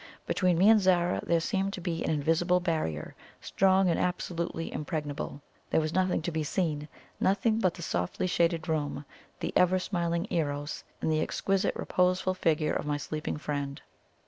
Between me and Zara there seemed to be an invisible barrier, strong, and absolutely impregnable. There was nothing to be seen nothing but the softly shaded room the ever smiling "Eros," and the exquisite reposeful figure of my sleeping friend.